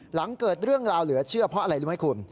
หลังเกิดเรื่องราวเหลือเชื่อเพราะอะไรรู้ไหมคุณ